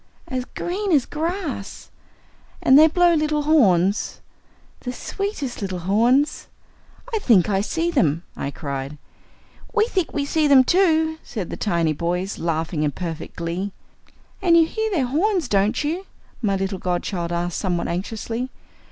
"As green as grass." "And they blow little horns?" "The sweetest little horns!" "I think I see them," I cried. "We think we see them too," said the tiny boys, laughing in perfect glee. "And you hear their horns, don't you?" my little godchild asked somewhat anxiously.